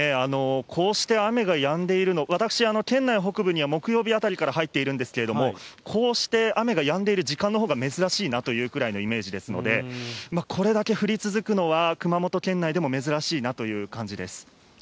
こうして雨がやんでいるのを、私、県内北部には木曜日あたりから入っているんですけれども、こうして雨がやんでいる時間のほうが珍しいなというくらいのイメージですので、これだけ降り続くのは熊本県内でも珍しいなという感じです。